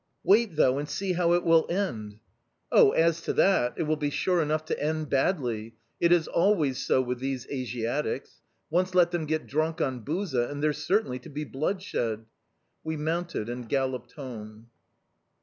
"'Wait, though, and see how it will end!' "'Oh, as to that, it will be sure enough to end badly; it is always so with these Asiatics. Once let them get drunk on buza, and there's certain to be bloodshed.' "We mounted and galloped home."